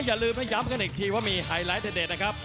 อย่าลืมนะย้ำกันอีกทีว่ามีไฮไลท์เด็ดนะครับ